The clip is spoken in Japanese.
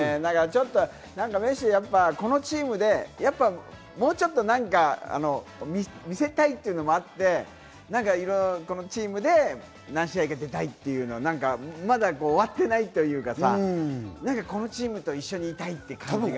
メッシやっぱ、このチームでもうちょっと何か、見せたいっていうのもあって、このチームで何試合か出たいっていうのを、まだ終わってないというかさ、このチームと一緒にいたいって感じが。